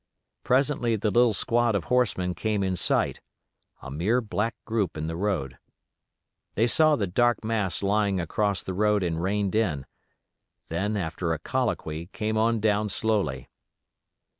Presently the little squad of horsemen came in sight, a mere black group in the road. They saw the dark mass lying across the road and reined in; then after a colloquy came on down slowly.